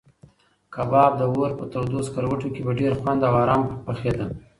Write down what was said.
کباب د اور په تودو سکروټو کې په ډېر خوند او ارام پخېده.